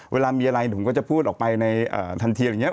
เวลามีอะไรผมก็จะพูดออกไปในทันทีอย่างนี้